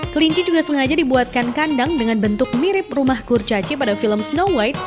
kelinci juga sengaja dibuatkan kandang dengan bentuk mirip rumah kurcaci pada film snow white